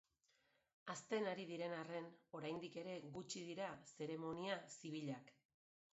Hazten ari diren arren, oraindik ere gutxi dira zeremonia zibilak.